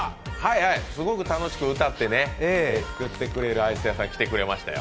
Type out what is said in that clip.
すごく楽しく歌ってね作ってくれるアイスクリーム屋さん来てましたよ。